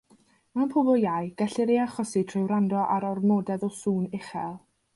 Mewn pobl iau, gellir ei achosi trwy wrando ar ormodedd o sŵn uchel.